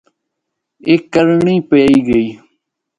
اے کرنڑیں پئے گئی۔